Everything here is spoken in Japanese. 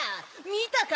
見たか！